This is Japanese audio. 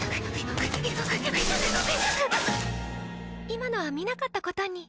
今のは見なかったことに。